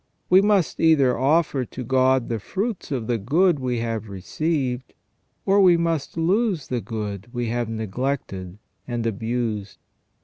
We must either offer to God the fruits of the good we have received, or we must lose the good we have neglected and abused.